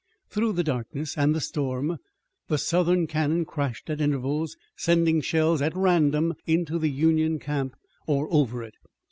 Through the darkness and the storm the Southern cannon crashed at intervals, sending shells at random into the Union camp or over it.